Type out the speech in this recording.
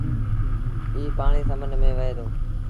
ايٚ پآڻي سمنڊ ميݩ وهي دو۔